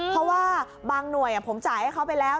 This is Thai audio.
เพราะว่าบางหน่วยผมจ่ายให้เขาไปแล้ว